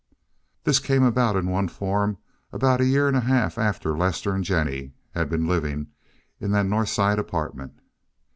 This came about in one form about a year and a half after Lester and Jennie had been living in the north side apartment.